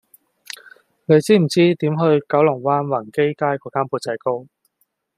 你知唔知點去九龍灣宏基街嗰間缽仔糕